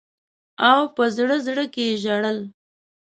او په زړه زړه کي ژړل.